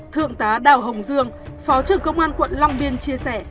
thượng tá đào hồng dương phó trưởng công an quận long biên chia sẻ